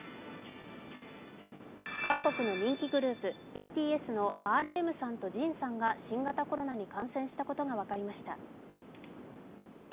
韓国の人気グループＢＴＳのＲＭさんとＪＩＮさんが新型コロナに感染したことが分かりました。